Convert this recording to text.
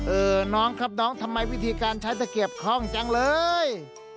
เออน้องครับน้องทำไมวิธีการใช้ตะเกียบคล่องจังเลย